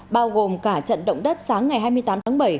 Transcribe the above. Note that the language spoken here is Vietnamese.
bao gồm cả trận động đất sáng ngày hai mươi tám tháng bảy